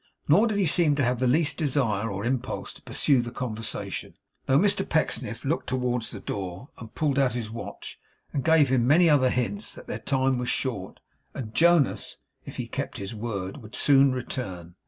Nor did he seem to have the least desire or impulse to pursue the conversation, though Mr Pecksniff looked towards the door, and pulled out his watch, and gave him many other hints that their time was short, and Jonas, if he kept his word, would soon return.